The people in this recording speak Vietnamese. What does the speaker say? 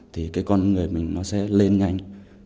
thì cái con người mình nó sẽ lên nhanh